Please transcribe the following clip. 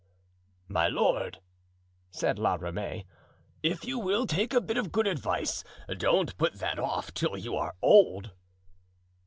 "My lord," said La Ramee, "if you will take a bit of good advice, don't put that off till you are old."